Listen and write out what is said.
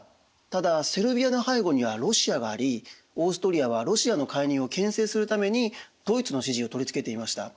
ただセルビアの背後にはロシアがありオーストリアはロシアの介入をけん制するためにドイツの支持を取り付けていました。